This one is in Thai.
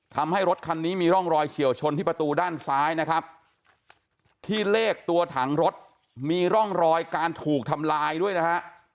ทำให้รถคันนี้มีร่องรอยเฉียวชนที่ประตูด้านซ้ายนะครับที่เลขตัวถังรถมีร่องรอยการถูกทำลายด้วยนะฮะ